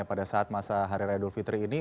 pada saat masa hari raya dulfitri ini